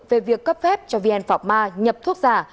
về việc cấp phép cho vn phạc ma nhập thuốc giả